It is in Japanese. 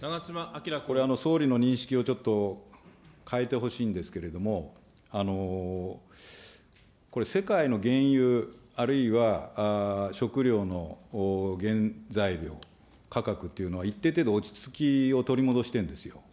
これ、総理の認識をちょっと変えてほしいんですけれども、これ、世界の原油、あるいは食料の原材料価格というのは、一定程度、落ち着きを取り戻しているんですよ。